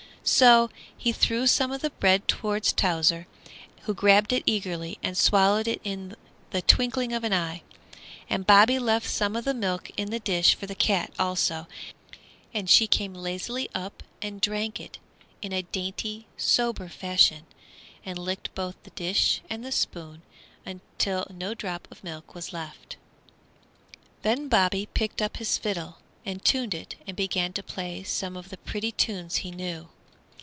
So he threw some of the bread to Towser, who grabbed it eagerly and swallowed it in the twinkling of an eye. And Bobby left some of the milk in the dish for the cat, also, and she came lazily up and drank it in a dainty, sober fashion, and licked both the dish and spoon until no drop of the milk was left. Then Bobby picked up his fiddle and tuned it and began to play some of the pretty tunes he knew.